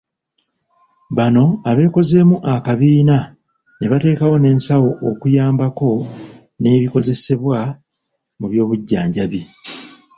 Bano abeekozeemu akabiina ne bateekawo n'ensawo okuyambako n'ebikozesebwa mu by'obujjanjabi.